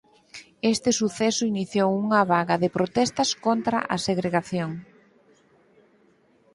Este suceso iniciou unha vaga de protestas contra a segregación.